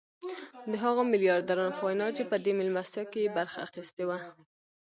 د هغو ميلياردرانو په وينا چې په دې مېلمستيا کې يې برخه اخيستې وه.